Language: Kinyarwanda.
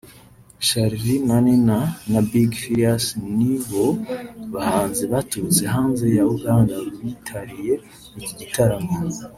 Charly&Nina na Big Farious ni bo bahanzi baturutse hanze ya Uganda bitariye iki gitaramo